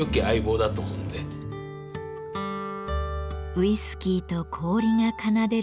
ウイスキーと氷が奏でる